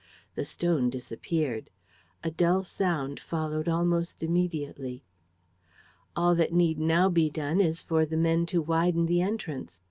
The stone disappeared. A dull sound followed almost immediately. "All that need now be done is for the men to widen the entrance.